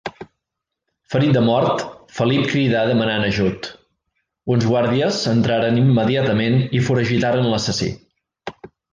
Ferit de mort, Felip cridà demanant ajut; uns guàrdies entraren immediatament i foragitaren l'assassí.